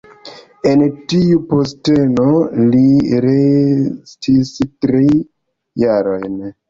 En tiu posteno li restis tri jarojn.